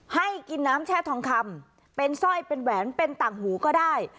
ให้กินน้ำแช่ทองคำเป็นสร้อยเป็นแหวนเป็นต่างหูก็ได้